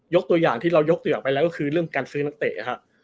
ตัวอย่างที่เรายกตัวอย่างไปแล้วก็คือเรื่องการซื้อนักเตะครับ